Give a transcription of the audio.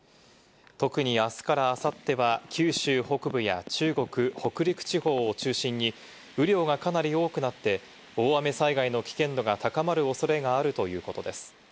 特にあすからあさっては九州北部や中国、北陸地方を中心に雨量がかなり多くなって、大雨災害の危険度が高まるおそれがあるということです。